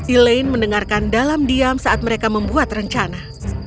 elaine mendengarkan dalam diam saat mereka membuat rencana